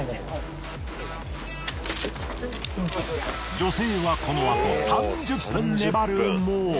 女性はこのあと３０分粘るも。